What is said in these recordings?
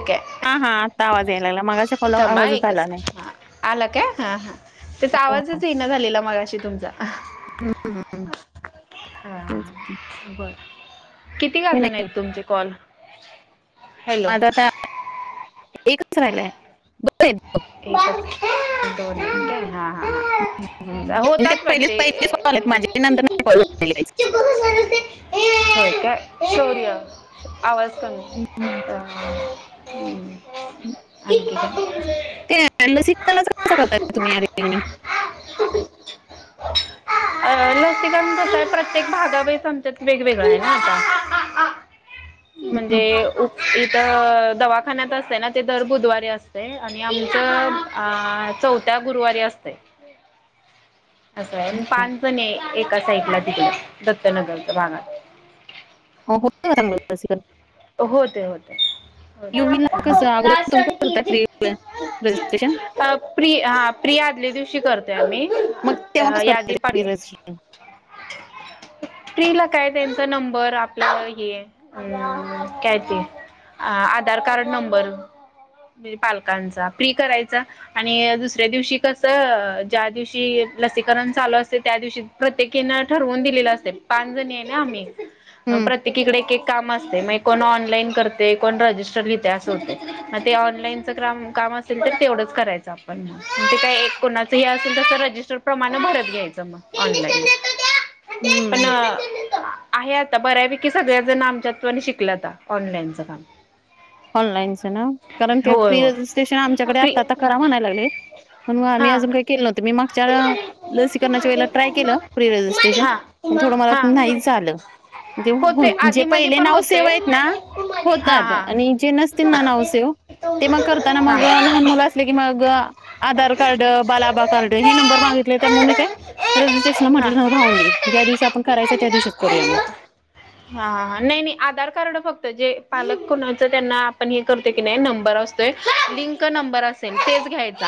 ठीक आहे हा हा आता आवाज यायला लागला मगाच्या कॉल थांब हा आवाजच आला एकच नाही. आला काय हा हा. तिथं हो हो. आवाजच येईना झालेला मगाशी तुमचा. हम्म हम्म. हा तेच की. बर किती गं ते अजून आहेत नाही तुमचे कॉल. हॅलो आता आता एकच राहिलाय दोन आहेत. दोन. एक दोन हायत हम्म. का हां हां हां. हम्म. म्हणजे ते होतात पहिलेच वाटते. पहिलेच कॉल आहेत माझे नंतर नाही कॉल झालेले काहीच. होय काय शौर्य. आवाज कमी हम हम्म, आ आणखी हम्म. काय. [inaudible] [unintelligible] कसं करताय तुम्ही पेमेंट. [inaudible] अ लसीकरण कसाय प्रत्येक [unintelligible] वेगवेगळं आहे ना आता. [inaudible] म्हणजे इथं दवाखान्यात असते ना, ते दर बुधवारी असते आणि आम इथं चौथ्या गुरुवारी असतंय. असं आहे पाच जणी आहे, एका साइडला तिकडं दत्तनगरच्या भागात. हो. का चांगलं लसीकरण? होते होते. युवीला कसं अगोदर तुम्ही करताय प्री रजिस्ट्रेशन [unintelligible] अ प्रि हा प्रि आदल्या दिवशी करतोय, मग तेव्हा आम्ही कसं यादी पाठ [unintelligible] प्रीला काय त्यांचा नंबर आपल हे. अं... काय ते आधार कार्ड नंबर. पालकांचा प्री करायचा. आणि दुसऱ्या दिवशी कसं, ज्या दिवशी लसीकरण चालू असते त्या दिवशी. प्रत्येकीन ठरवून दिलेलं असते, पाच जणी आहे ना आम्ही. हम्म. प्रत्येकीकडे एक एक काम असते मग एक. कोण ऑनलाईन करते कोण रजिस्टर लिहते असं होते. मग ते ऑनलाईनच काम काम असेल तर तेवढंच करायचं. आपण मग ते काय एक कोणाचं हे असेल तसं रजिस्टर प्रमाण भरत घ्यायचं मग. ऑनलाईन. पण हम्म. आहे आता बऱ्यापैकी, सगळ्या जण आमच्या त्वरित शिक शिकल्याता ऑनलाईनचं काम. ऑनलाईनचं ना कारण, ते होय प्री होय रजिस्ट्रेशन आमच्याकडे आता प्री आता करा म्हणायला लागलेत. पण मग आम्ही हा अजून काही केले नव्हतं, मी मागच्या लसीकरणाच्या ट्राय केलं प्री रजिस्टेशनं. पण हा थोडं मला हा नाहीच झालं, होते जे आधी मधी पहिले पण नावंच. होते सेव आहेत ना हा होतात, हा आणि जे नसतील ना नाव हा सेव. ते मग करताना हा मग, लहान मुलं असले की मग. आधार कार्ड बालआभाकार्ड हे नंबर मागितले त्यामुळं मी काय. रजिस्ट्रेशन म्हटलं राहून दे, ज्या दिवशी आपण मी करायचं खाली त्या जाऊ दिवशीच करूया खाली मग. जाऊ हा नाही नाही. आधार कार्ड फक्त जे पालक कुणाच त्यांना आपण, हे करतो की नाही नंबर असतोय लिंक नंबर असतो. तेच घ्यायचा.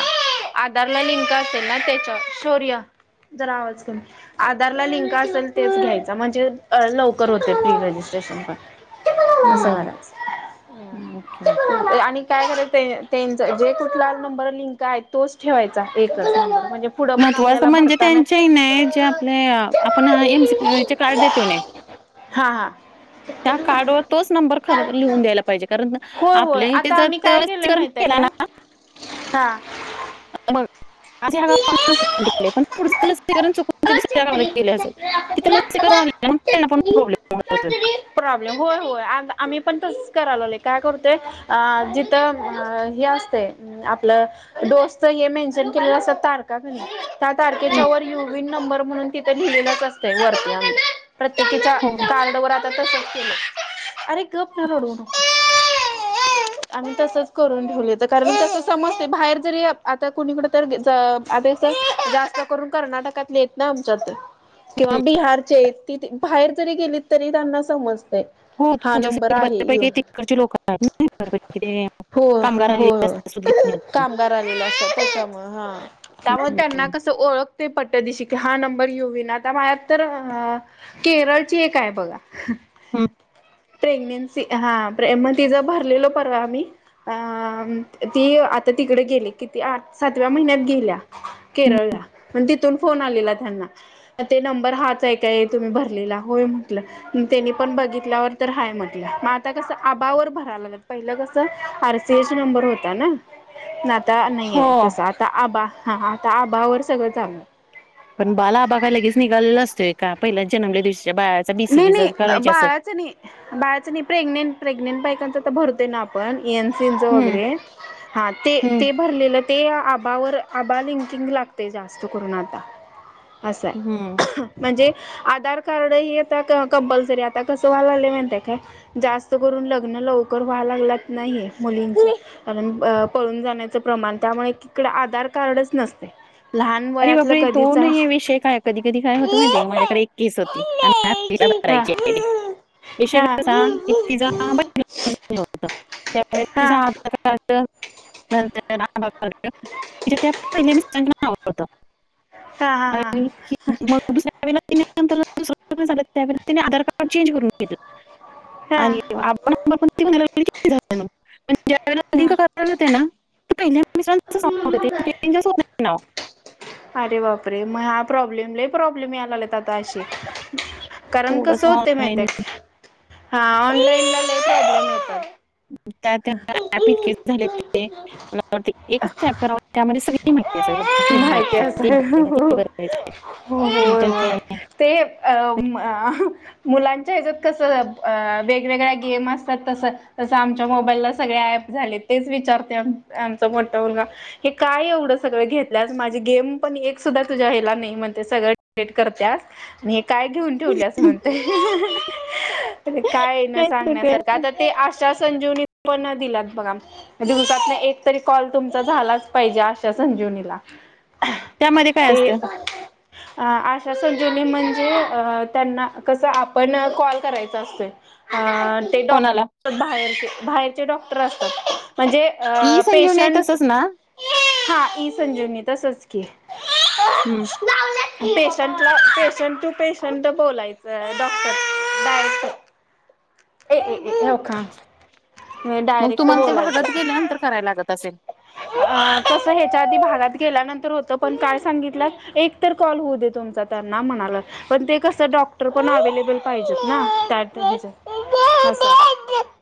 आधारला लिंक असेल ना तेच्या शौर्य. जरा आवाज कमी. आधार ला लिंक असेल तेच घ्यायचं, म्हणजे लवकर होते प्री रजिस्ट्रेशन पण. असं हम्म. करायचं ओके. ये आणि. काय खर त्यांच जे कुठला नंबर लिंक आहे, तोच ठेवायचा एकच नंबर म्हणजे. पुढं पण महत्त्वाचं आपल्याला म्हणजे भरताना त्यांच्याही नाही जे, आपले आपण एमसीपील चे कार्ड देतोय नी. हा हा. त्या कार्डवर तोच नंबर खर लिहून द्यायला पाहिजे कारण ना. होय होय आपल्या इथं आता जर आम्ही काय व्यवस्थ केलंय करण माहितय केलं काय ना. हा. माझ्याा पण पुढच लसीकरण चुकवायला नको ते दुसऱ्या गावाला चटणी गेले असलं. चटणी लागते तिथे तुला हे बघ, लसीकरण आहेना त्यांना पण चटणी प्रॉब्लेम होतोय. चटणी प्रॉब्लेम होय होय आ आम्ही पण तस करायला लागलो काय करतो, अं जिथं अ हे असते आपलं डोसच हे मेन्शन ते असं तारखा देणार त्या हं, तारखेच्या वर युवी नंबर म्हणून. तिथ लहिलेलं असत वरती प्रत्येकीच्या हो, कार्ड वर आ तसच केल अरे गप ना रडवू नको. आम्ही तसच करून ठेवले तर कारण तस समजते बाहेर जरी आता कोणी कड. तर आता जास्त करून कर्नाटकातले येत ना आमच्या तर. किंवा हं. बिहारचे ति बाहेर जरी गेली तरी त्यांना समजत. खूप म्हणजे बऱ्या पैकी तिकडची लोक आहेत ना इकडे? हो हो कामगार आलेल असता त्याच्यामुळे हा, हं, त्यामुळं काय त्यांना हं, कस ओळखतय पट दिसिन हा नंबर युवीन आता माझ्या तर. केरळची एक आहे बघा. हम्म. प्रेग्नेन्सी हाे मग तिचा भरलेल परवा आम्ही. अ ती आता तिकडे गेली किती आठ सातव्या महिन्यात गेल्या, हं. केरळला पण तिथून फोन आलेला त्यांना. ते नंबर हाच आहे काय? तुम्ही भरलेला होय म्हटलं. त्यांनी पण बघितल्यावर तर हाय म्हटलं मग आता कस आबावर भरायलागलेत पहिलं कस आरसीआयसि नंबर होताना ला आता नाही आहे हो. तसं आता आबा हा आता आबा वर सगळं चाल पण बालआबा काय लगेच निघालं असतोय का पहिल्या जन्मल्यादिवशीच्या बाय नाही नाही बाळाचं नाही बाळाचं नाही प्रेग्नेंट प्रेग्नेंट बायकांच तर भरतोय ना आप पण यांचं यांचं हं, वगैरे हा ते हं, ते. भरलेलं ते आबावर आबा लिंकिंग लागते जास्त करून आता. असं आहे, हं. म्हणजे आधार कार्ड ही एक आता कंपल्सरी आता कसं व्हाय लागलं माहित आहे काय? जास्त करून लग्न लवकर व्हाय लागल्यात नाहे मुलींची. कारण पळून जाण्याचं प्रमाण त्यामुळे इकडे आधार कार्डच नसते. लहान अरे वयातलं बापरे तो कधीच नाही विषय काय कधी कधी काय हा हा होतो माहिती माझ्याकडे एक केस होती आणि आत्तीच्या हा विषय हा कसा तिच बहिणीवर तिझा नंतर आता तिच्या त्या आधार कार्ड वर पहिल्या मिस्टरांच नाव. होत हा हा आणि ईतकी मग. दुसऱ्यावेळेला तिने नंतर सांगितलं तिने आधार कार्ड चेंज करून घेतलं हा हा [unintelligible] तेना पाहील्या मिस्टरांचं नाव होत तिथे ते चेंजच होत नाही नाव. अरे बाप रे मग हा प्रॉब्लेमला लय प्रॉब्लेम यायला लागलेत आता अशे. कारण कस थोडंसं होत माहित ऑनलाईन हा ऑनलाईन ला लय प्रॉब्लेम होतात. त्या त्या ऍप इतके झाले ते मला एकच ऍप त्यामध्ये सगळी. सगळी माहिती हे भरायचंय ते भरायच ते भरायचय. हो होय ते अ म आह. मुलांच्या ह्याच्यात कस वेगवेगळ्या गेम असतात तस तस आमच्या मोबाईलला सगळे ऍप झाले तेच विचारते आमच मोठा मुलगा. हे काय एवढं सगळं घेतल्यास माझे गेम पण एक सुद्धा तुझ्या ह्याला नाही म्हणते सगळ डिलिट करत्यास. नि हे काय घेऊन ठेवले असं म्हणतय. काय आहे न नाहीतर काय सांगण्यासारखं आता ते आश्वासन देऊन इत पण दिलात बघा. दिवसातन एक तरी कॉल तुमचा झालाच पाहिजे आशा संजीवनीला. त्यामध्ये काय ते असतं अ अ आशा संजीवनी म्हणजे त्यांना कसं आपण कॉल करायचा असतोय. हा ते डॉक कोणाला बाहेरचे डॉक्टर असतात, म्हणजे ई संजीवनी आहे पेशंट. तसंच ना हां ई संजीवनी तसच की. हम्म पेशंटला पेशंट टू पेशंट बोलायचं डॉक्टर डायरेक्ट. ए ए ए हे बघ. हा मग डायरेक्ट तुम्हाला ते भागात गेल्यानंतर कराय लागत असेल? हम अ तसं ह्याच्या आधी भागात गेल्यानंतर होतं पण काय सांगितलं एक तर कॉल होऊ दे तुमचा. त्यांना म्हणाला पण ते कस डॉक्टर पण अवेलेबल पाहिजेत ना त्या पद्धतीच. अस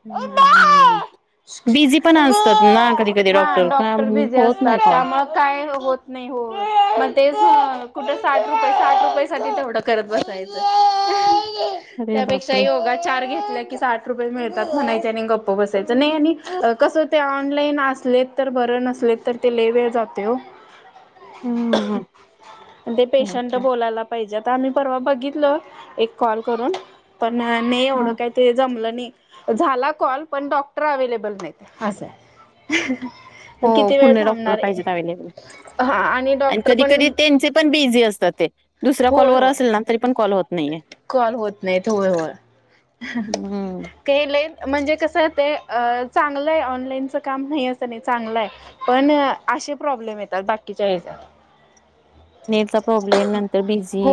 हम्म हम्म हम्म, बोल रेज. बिझी पण असतात ना कधी कधी हा डॉक्टर का बिझी होत असतात नाही कॉल. त्यामुळे काय होत. नाही हो मग तेच कुठ साठ रुपये साठ रुपय साठी तेवढं करत बसायचं. अरे त्यापेक्षा बापरे! योगा चार घेतल्या कि साठ रुपये मिळतात म्हणायच. त्यानी गप्प बसायच नाही आणि कसं ते ऑनलाईन असलेत तर बरं नसलेत तर ते लई वेळ जातोय हो. हं, ते हं. पेशंट बोलायला. पाहिजे आम्ही परवा बघितल एक कॉल करून पण नाही एवढं हां. काही ते जमलं नाही झाला कॉल पण डॉक्टर अवलेबल नाहीत असं हाय. [inaudible] हो फूडणं डॉक्टर पाहिजेत अवेलेबल. हा आणि डॉक्टर कधी पण कधी त्यांचे पण बिझी असतात ते दुसऱ्या होय कॉलवर होय असेल ना तरी पण कॉल होत नाहीये. कॉल होत नाहीत होयहोय. हं. केले म्हणजे कसं ते चांगलं आहे ऑनलाईनचं काम नाही असं नाही चांगलं आहे. पण असे प्रॉब्लेम येतात बाकीच्या हेन नेटचा प्रॉब्लेम नंतर बिझी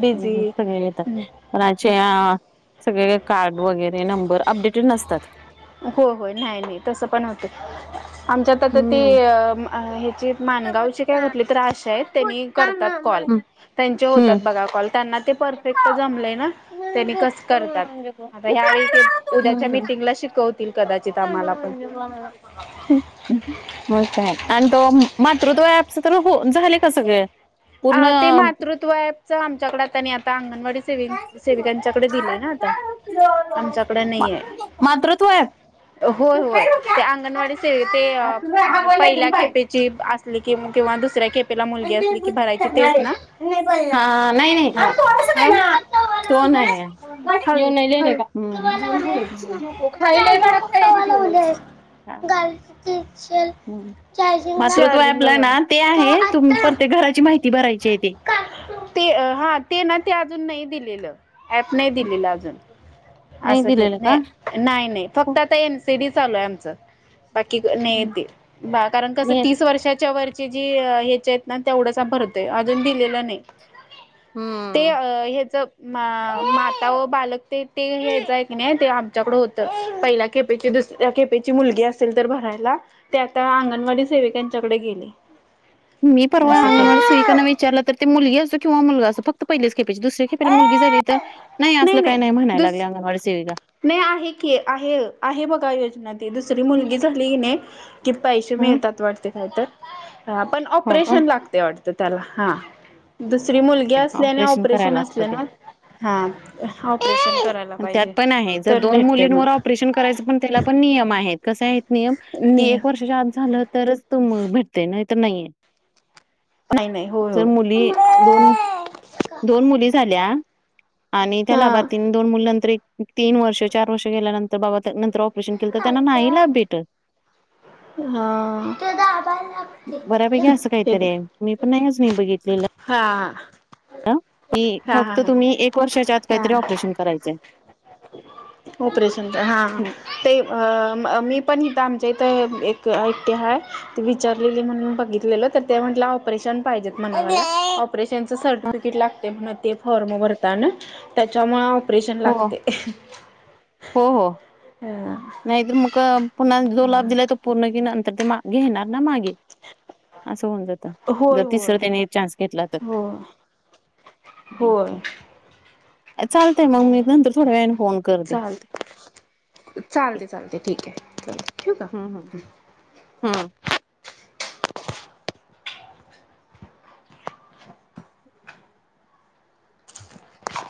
बिझी सगळं येतात. हो कार्ड नंबर वगैरे अपडेटेड नसतात. हो हो नाय नाय, तसं पण होतं. आमच्यात आता ती हं. ह्याची हं, माणगावची का कुठली तरी अशा हाय त्यांनी करतात कॉल. त्यांचे होतात हं. बघा कॉल त्यांना ते परफेक्ट जमले ना त्यांनी कस करतात. आता ह्यावेळी उद्याच्या मीटिंगला शिकवतील कदाचित आम्हाला पण. हहम्म. मग काय आणि तो मातृत्व ॲप्स तर झालं का सगळं? अ ते मातृत्वच आमच्याकडे आता नाही आता अंगणवाडीत. सेविकांच्याकडे दिले ना आता, आमच्याकडे नाहीये. मातृत्व ऍप होय होय ते अंगणवाडी हा सेवी ते पहिल्या खेपे. ची असली कि किंवा दुसऱ्या खेपेला मुलगी असली. की भरायची तेच ना नाही नाही हा. तो नाही आहे. हळू येऊन नाही लिहिले हळू्. का हम्म. जून खायला भाडा खायची दिवस घाल की. मातृत्व ॲपला ना लावलं ते आहे तुम्ही, प्रत्येक घराची माहिती भरायची हाय ती. ते हा तेना ते अजून नाही दिलेलं, ऍप नाही दिलेलं अजून. असं के दिलेलं नाही का नाही नाही फक्तं, आता एमसीडी चालू आहे आमचं. बाकी नाही ते बा कारण कसं, मी तीस वर्षाच्या वरची जी हेचेत. तेवढंच अँप भरतोय, अजून दिलेलं नाही ते हम्म. हेज. म माता व बालक ते ते हेचय कणी, ते आमच्याकडं होतं पहिला. खेपेची दुसऱ्या खेपेची मुलगी असेल तर, ते आता अंगणवाडी सेविकांच्याकडे भरायला गेलंय. मी तर परवा अंगणवाडी सेविकांना विचारलं तर. ते मुलगी असो किंवा मुलगा असो, फक्तं पहिल्याच खेपेची दुसऱ्या खेपेला मुलगी झाली तर. नाय नाही असलं काय नाही नाय म्हणाल्या, दुस लागल्या आम्हाला सेविका. नाही आहे की आहे बघा, योजना दुसरी मुलगी झाली कणी. की पैसे हं मिळतात वाटतं काय तर, पण हो का ऑपरेशन लागतं वाटतं. त्याला हा दुसरी मुलगी असल्याने, करायला ऑपरेशन लागतं असले ते. ना. हा ऑपरेशन कराय. त्यात पण आहे, जर दोन मुलींवर ऑपरेशन. करायचं पण त्याला नियम आहेत, कसं आहेत नियम की नाही एक वर्षाच्या आत झालं तरच ते भेट ते. नाय तर नाहीये नाही नाही होय जर होय. मुली. दोन दोन मुली झाल्या, आणि त्या हा. लाभार्थीन. दोन मुली नंतर एक तीन वर्ष चार वर्ष गेल्यानंतर बाबा नंतर. ऑपरेशन केलं तर त्यांना नाही लाभ भेटत. हा बऱ्यापैकी असं हे धर. काहीतरी आहे मी पण नाही हा. ह की हा हा फक्त हा. तुम्ही एक वर्षाच्या आत हा काहीतरी ऑपरेशन करायचाय. ऑपरेशन हां हं. ते मी पण आमच्या इथं एक. एकटे हाय विचारलेली म्हणून बघितलेलं, तर ते म्हटलं ऑपरेशन पाहिजेत. ऑपरेशनच सर्टिफिकेट लागतंय म्हण, ते फॉर्म भरताना त्यांच्यामुळे. ऑपरेशन हो, लागते. हो हो. होय नाहीतर मग पुन्हा जो लाभ दिलाय तो, पूर्ण की नंतर ते घेणार ना मागे. असं होऊन जातं. जर होय तिसरा त्यांनी चान्स घेतला तर. हो होय. चालतंय मग मी नंतर थोड्या वेळाने फोन करते. चालते चालते चालते ठीक ये ठेवू का. हा हा.